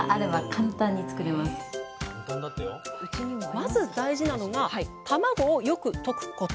まず大事なのがたまごをよく解くこと。